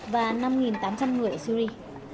và năm tám trăm linh người syri